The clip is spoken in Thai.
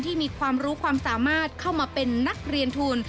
มีความรู้ความสามารถเข้ามาเป็นนักเรียนทุน